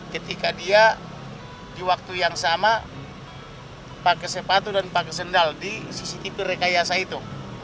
ketika dia di waktu yang sama pakai sepatu dan pakai sendal di cctv rekayasa itu